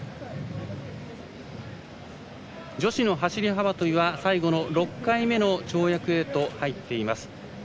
女子の走り幅跳びは最後の６回目の跳躍へと入っています。